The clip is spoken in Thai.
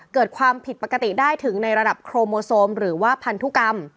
เกิดความผิดปกติได้ถึงในระดับโครโมโซมหรือว่าพันธุกรรม